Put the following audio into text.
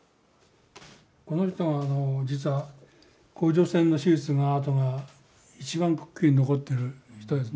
この人は実は甲状腺の手術の痕が一番くっきり残ってる人ですね。